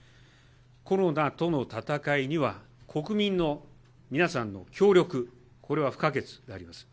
コロナとの闘いには、国民の皆さんの協力、これは不可欠であります。